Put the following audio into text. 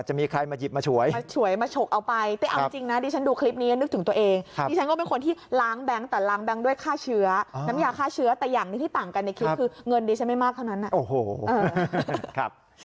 อันนี้ที่ต่างกันในคลิปคือเงินดิฉันไม่มากเท่านั้นน่ะ